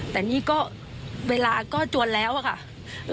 แต่นี่ก็เวลาก็จวนแล้วอะค่ะ